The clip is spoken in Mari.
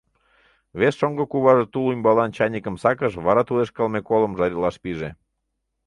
Вес шоҥго куваже тул ӱмбалан чайникым сакыш, вара тулеш кылме колым жаритлаш пиже.